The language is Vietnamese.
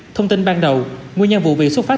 thông tin ban đầu nguyên nhân vụ việc xuất phát